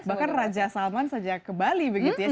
bahkan raja salman saja ke bali begitu ya